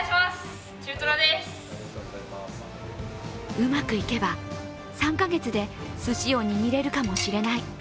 うまくいけば、３か月ですしを握れるかもしれない。